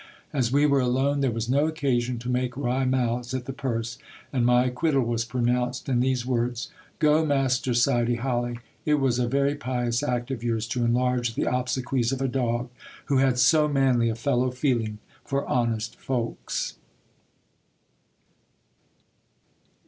As we were alone, there was no occasion to make wry mouths at the purse, and my acquittal was pronounced in these words : Go, Master Sidy Hali ; it was a very pious act of yours, to enlarge the obsequies of a dog, who had so manly a fellow feeling for honest folks.